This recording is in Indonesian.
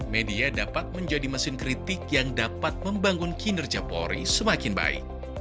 media dapat menjadi mesin kritik yang dapat membangun kinerja polri semakin baik